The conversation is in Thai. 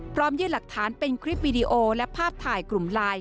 ยื่นหลักฐานเป็นคลิปวีดีโอและภาพถ่ายกลุ่มไลน์